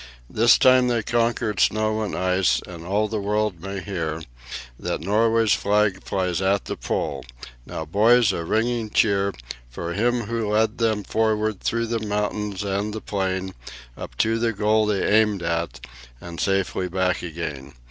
This time they conquered snow and ice, and all the world may hear That Norway's flag flies at the Pole. Now, boys, a ringing cheer For him who led them forward through the mountains and the plain, Up to the goal they aimed at, and safely back again.